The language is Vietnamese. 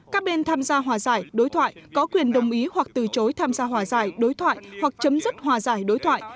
các bên tham gia hòa giải đối thoại có quyền đồng ý hoặc từ chối tham gia hòa giải đối thoại hoặc chấm dứt hòa giải đối thoại